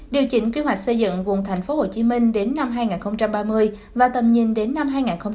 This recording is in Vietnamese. điều chỉnh quy hoạch xây dựng vùng tp hcm đến năm hai nghìn ba mươi và tầm nhìn đến năm hai nghìn năm mươi